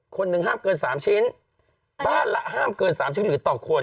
คนหนึ่งห้ามเกิน๓ชิ้นบ้านละห้ามเกิน๓ชิ้นหรือต่อคน